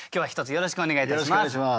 よろしくお願いします。